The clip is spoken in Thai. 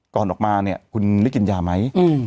ก่อนออกมาเนี่ยคุณได้กินยาไหม